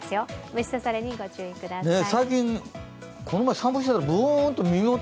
虫刺されにご注意ください。